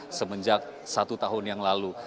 ini sudah satu tahun yang lalu